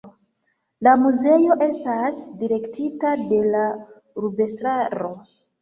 La muzeo estas direktita de la urbestraro.